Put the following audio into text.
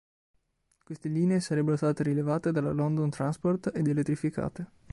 Queste linee sarebbero state rilevate dalla London Transport ed elettrificate.